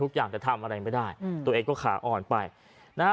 จะทำอะไรไม่ได้อืมตัวเองก็ขาอ่อนไปนะฮะ